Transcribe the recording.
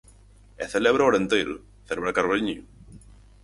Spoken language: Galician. E celebra o Arenteiro, celebra Carballiño.